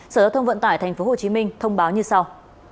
sở giao thông vận tải tp hcm thông báo như sau